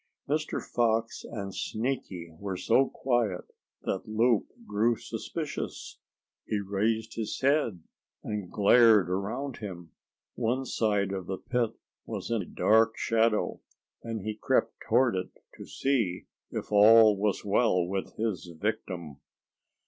Mr. Fox and Sneaky were so quiet that Loup grew suspicious. He raised his head and glared around him. One side of the pit was in dark shadow, and he crept toward it to see if all was well with his victim.